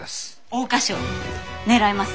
桜花賞狙います。